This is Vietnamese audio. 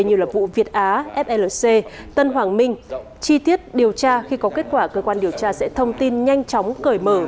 như vụ việt á flc tân hoàng minh chi tiết điều tra khi có kết quả cơ quan điều tra sẽ thông tin nhanh chóng cởi mở